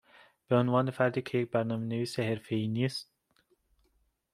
به عنوان فردی که یک برنامهنویس حرفهای نیست